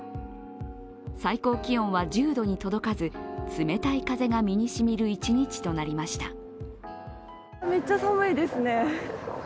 最高気温は１０度に届かず、冷たい風が身にしみる一日となりました。